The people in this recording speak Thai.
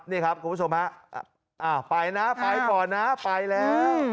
นี่ครับคุณผู้ชมฮะอ้าวไปนะไปก่อนนะไปแล้ว